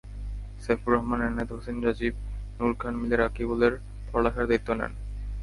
সাইফুর রহমান, এনায়েত হোসেন রাজীব, নূর খান মিলে রকিবুলের পড়ালেখার দায়িত্ব নেন।